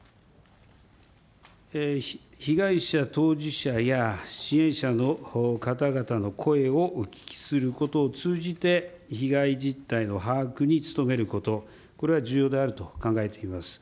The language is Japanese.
被害者当事者や支援者の方々の声をお聞きすることを通じて、被害実態の把握につとめること、これは重要であると考えております。